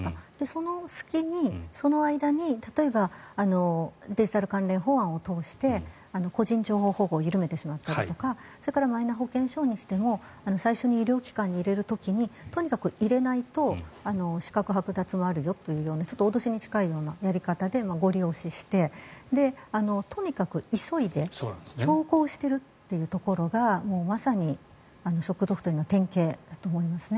その隙に、その間に例えばデジタル関連法案を通して個人情報保護を緩めてしまったりとかそれからマイナ保険証にしても最初に医療機関に入れる時にとにかく入れないと資格はく奪もあるよというようなちょっと脅しに近いようなやり方でごり押ししてとにかく急いで強行しているというところがまさにショック・ドクトリンの典型だと思います。